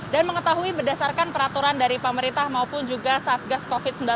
dan mengetahui berdasarkan peraturan dari pemerintah maupun juga satgas covid sembilan belas